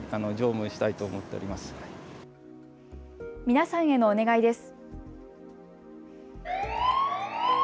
皆さんへのお願いです。